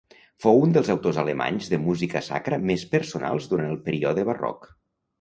Fou un dels autors alemanys de música sacra més personals durant el període barroc.